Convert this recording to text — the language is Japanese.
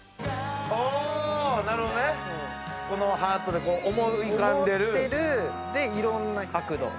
あなるほどね。このハートで思い浮かんでる。でいろんな角度。